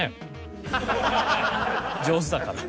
上手だから。